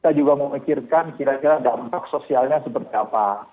kita juga memikirkan kira kira dampak sosialnya seperti apa